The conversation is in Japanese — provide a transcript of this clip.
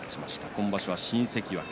今場所、新関脇